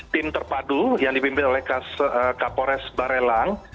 tim terpadu yang dipimpin oleh kapolres barelang